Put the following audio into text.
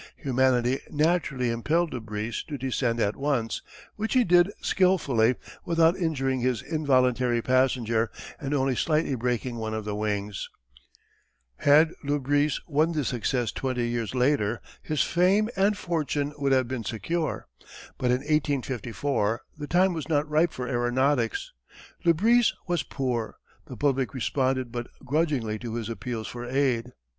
Humanity naturally impelled Le Bris to descend at once, which he did skilfully without injuring his involuntary passenger, and only slightly breaking one of the wings. [Illustration: © U. & U. A German War Zeppelin.] Had Le Bris won this success twenty years later his fame and fortune would have been secure. But in 1854 the time was not ripe for aeronautics. Le Bris was poor. The public responded but grudgingly to his appeals for aid.